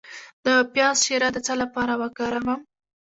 د پیاز شیره د څه لپاره وکاروم؟